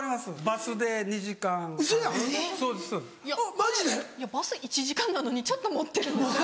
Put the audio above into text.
バス１時間なのにちょっと盛ってるんです。